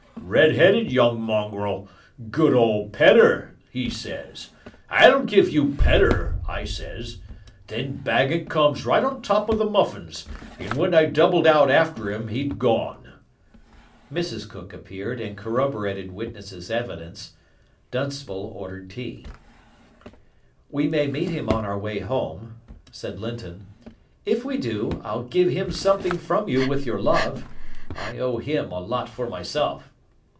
"Red headed young mongrel. 'Good old Pedder,' he says. 'I'll give you Pedder,' I says. Then bang it comes right on top of the muffins, and when I doubled out after 'im 'e'd gone." Mrs Cook appeared and corroborated witness's evidence. Dunstable ordered tea. "We may meet him on our way home," said Linton. "If we do, I'll give him something from you with your love. I owe him a lot for myself."